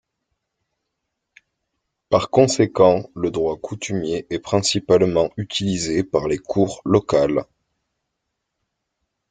Par conséquent, le droit coutumier est principalement utilisé par les Cours locales.